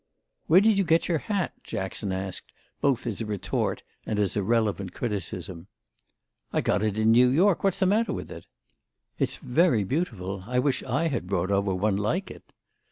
"Where did you get your hat?" Jackson asked both as a retort and as a relevant criticism. "I got it in New York. What's the matter with it?" "It's very beautiful. I wish I had brought over one like it."